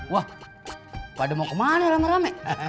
wah pada mau kemana rame rame